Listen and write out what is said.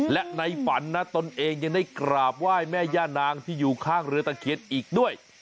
และในฝันนะตนเองยังได้กราบไหว้แม่ย่านางที่อยู่ข้างเรือตะเคียนอีกด้วย